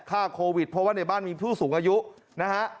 ฆ่าโควิดเพราะว่าในบ้านมีผู้สูงอายุนะฮะ